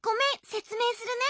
せつめいするね。